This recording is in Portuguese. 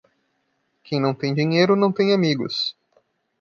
Quem não tem dinheiro não tem amigos.